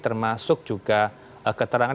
termasuk juga keterangan